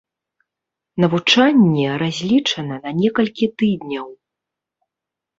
Навучанне разлічана на некалькі тыдняў.